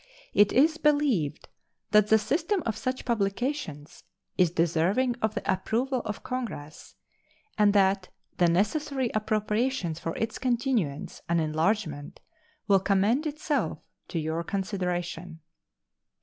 It is believed that the system of such publications is deserving of the approval of Congress, and that the necessary appropriations for its continuance and enlargement will commend itself to your consideration.